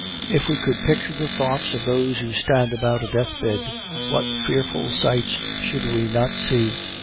If we could picture the thoughts of those who stand about a deathbed, what fearful sights should we not see?